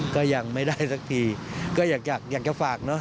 ก็ยังไม่ได้สักทีก็อยากจะฝากเนอะ